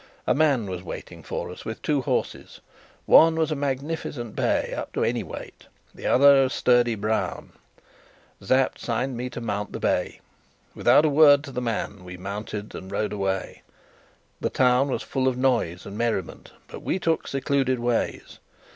A man was waiting for us with two horses. One was a magnificent bay, up to any weight; the other a sturdy brown. Sapt signed to me to mount the bay. Without a word to the man, we mounted and rode away. The town was full of noise and merriment, but we took secluded ways.